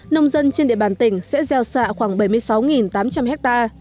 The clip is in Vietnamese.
nông dân trên địa bàn tỉnh sẽ gieo xạ khoảng bảy mươi sáu tám trăm linh ha